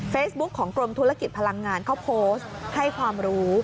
ของกรมธุรกิจพลังงานเขาโพสต์ให้ความรู้